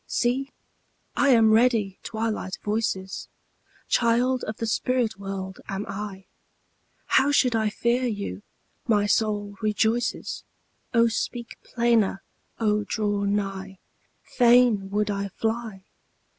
See, I am ready, Twilight voices! Child of the spirit world am I; How should I fear you? my soul rejoices, O speak plainer! O draw nigh! Fain would I fly!